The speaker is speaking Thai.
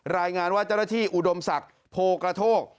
รายงานว่าเจ้าหน้าที่อุดมศักดิ์โพกระโทก